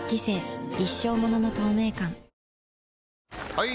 ・はい！